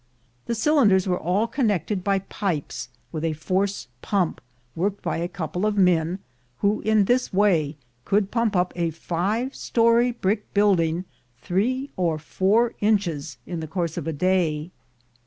The cylinders were all connected by pipes with a force pump, worked by a couple of men, who in this way could pump up a five story brick building three or four inches in the course of the day.